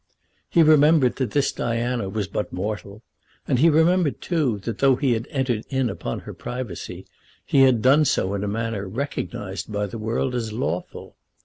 He remembered that this Diana was but mortal; and he remembered, too, that though he had entered in upon her privacy he had done so in a manner recognised by the world as lawful.